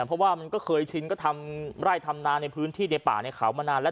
เพราะว่ามันก็เคยชินก็ทำไร่ทำนาในพื้นที่ในป่าในเขามานานแล้ว